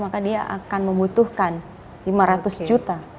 maka dia akan membutuhkan lima ratus juta